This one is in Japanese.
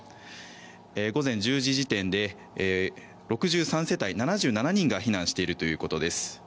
午前１０時時点で６３世帯７７人が避難しているということです。